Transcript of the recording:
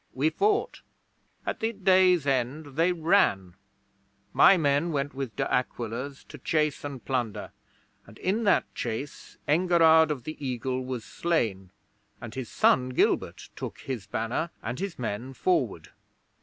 We fought. At the day's end they ran. My men went with De Aquila's to chase and plunder, and in that chase Engerrard of the Eagle was slain, and his son Gilbert took his banner and his men forward.